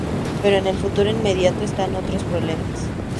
Pero en el futuro inmediato estaba otro problema.